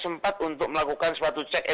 sempat untuk melakukan sesuatu yang tidak sempat